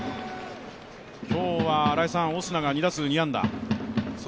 今日はオスナが２打数２安打。